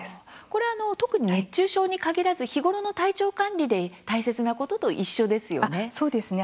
これは特に熱中症に限らず日頃の体調管理で大切なことと一緒ですよね？